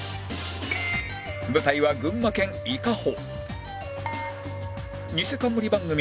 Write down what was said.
舞台は群馬県伊香保